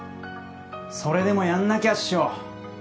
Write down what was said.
・それでもやんなきゃっしょ。